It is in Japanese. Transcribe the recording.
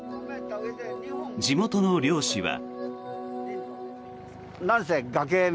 地元の猟師は。